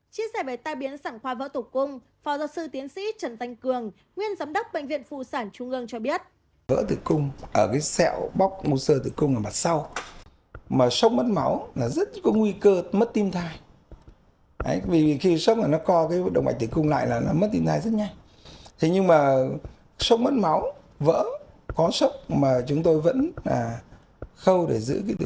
chia sẻ về tai biến sản khoa vỡ tủ cung phó giáo sư tiến sĩ trần thanh cường nguyên giám đốc bệnh viện phụ sản trung ương cho biết